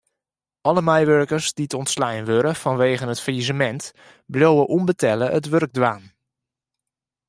Alle meiwurkers dy't ûntslein wurde fanwegen it fallisemint bliuwe ûnbetelle it wurk dwaan.